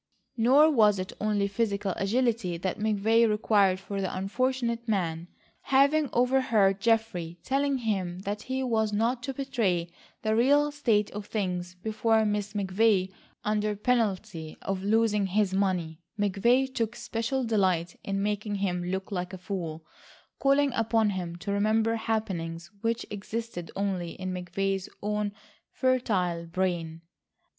Nor was it only physical agility that McVay required of the unfortunate man. Having overheard Geoffrey telling him that he was not to betray the real state of things before Miss McVay, under penalty of losing his money, McVay took special delight in making him look like a fool, calling upon him to remember happenings which existed only in McVay's own fertile brain.